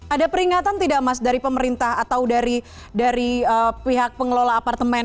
ada peringatan tidak mas dari pemerintah atau dari pihak pengelola apartemen